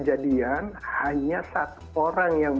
terusahlah ya mbak nadja